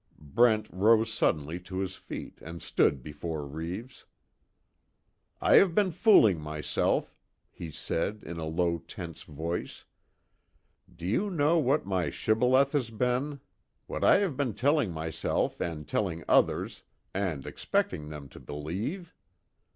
Brent rose suddenly to his feet and stood before Reeves. "I have been fooling myself," he said, in a low tense voice, "Do you know what my shibboleth has been? What I have been telling myself and telling others and expecting them to believe?